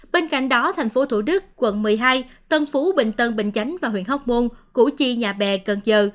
bên cạnh đó tp thủ đức quận một mươi hai tân phú bình tân bình chánh và huyện hóc môn củ chi nhà bè cần giờ